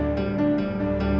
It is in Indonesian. ate bisa menikah